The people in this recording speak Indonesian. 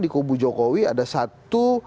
di kubu jokowi ada satu